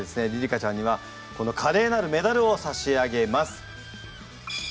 花ちゃんにはこのカレーなるメダルを差し上げます。